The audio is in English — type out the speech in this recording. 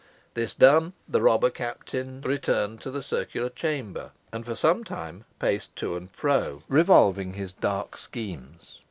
This done, the robber captain returned to the circular chamber, and for some time paced to and fro, revolving his dark schemes.